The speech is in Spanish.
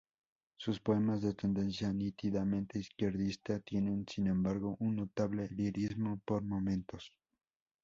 Sus poemas, de tendencia nítidamente izquierdista, tienen sin embargo un notable lirismo por momentos.